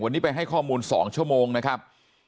วันนี้ไปให้ข้อมูล๒ชั่วโมงนะครับ